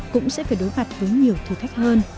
cũng sẽ phải đối mặt với nhiều thử thách hơn